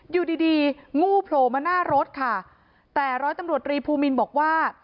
อยู่ดีดีงูโผล่มาหน้ารถค่ะแต่ร้อยตำรวจรีภูมินบอกว่า